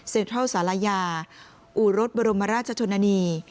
เซ็นตรัวศาลายาอู่รถบรมรจชะชนนี